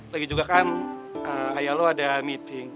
lagi juga kan ayah lo ada meeting